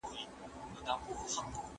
ماشومان تر اوسه ناهیلي شوي نه دي.